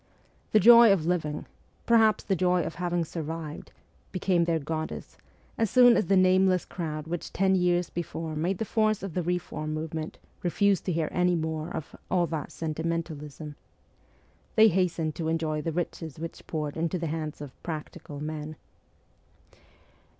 ' The joy of living ' perhaps the joy of having survived became their god dess, as soon as the nameless crowd which ten years before made the force of the reform movement refused to hear any more of ' all that sentimentalism.' They hastened to enjoy the riches which poured into the hands of ' practical ' men.